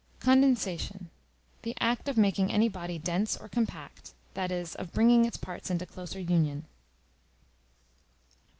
Condensation, the act of making any body dense or compact; that is, of bringing its parts into closer union.